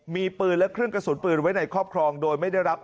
มีปืนและเครื่องกระสุนปืนไว้ในครอบครองโดยไม่ได้รับ